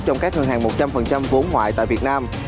trong các ngân hàng một trăm linh vốn ngoại tại việt nam